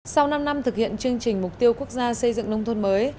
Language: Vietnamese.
sau năm năm thực hiện chương trình mục tiêu quốc gia xây dựng nông thôn mới